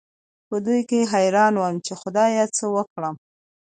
په دوو کې حېران وو، چې خدايه څه وکړم؟